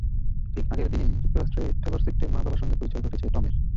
ঠিক আগের দিনেই যুক্তরাষ্ট্রে টেলর সুইফটের মা-বাবার সঙ্গে পরিচয় ঘটেছে টমের।